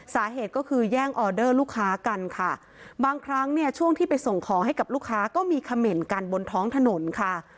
สาเหตุก็คือแย่งออเดอร์ลูกค้ากันค่ะบางครั้งเนี่ยช่วงที่ไปส่งของให้กับลูกค้าก็มีเขม่นกันบนท้องถนนค่ะ